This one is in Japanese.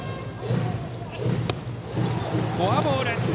フォアボール。